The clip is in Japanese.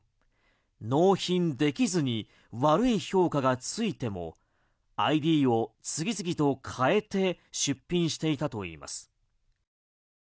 納品できずに悪い評価がついてもＩＤを次々と変えて出品していたといいます。